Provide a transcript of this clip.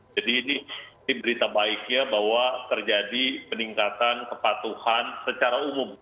jadi ini berita baiknya bahwa terjadi peningkatan kepatuhan secara umum